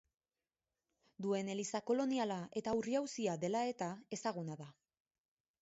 Duen eliza koloniala eta ur-jauzia dela eta ezaguna da.